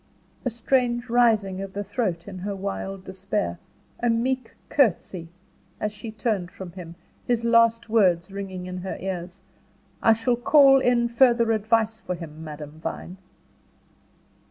A strange rising of the throat in her wild despair, a meek courtesy, as she turned from him, his last words ringing in her ears: "I shall call in further advice for him, Madame Vine."